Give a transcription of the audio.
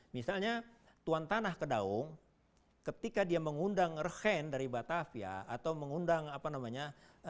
misalnya tuan tanah kedaung ketika dia mengundang rehen dari batavia atau mengundang apa namanya